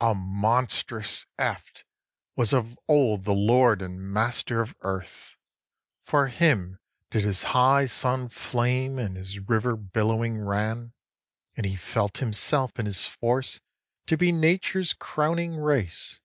6. A monstrous eft was of old the Lord and Master of Earth, For him did his high sun flame, and his river billowing ran, And he felt himself in his force to be Nature's crowning race.